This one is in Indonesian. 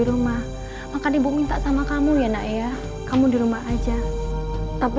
rumah makan ibu minta sama kamu ya nak ya kamu di rumah aja tapi